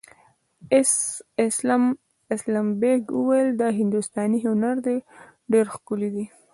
اسلم بېگ وویل دا هندوستاني هنر دی ډېر ښکلی دی.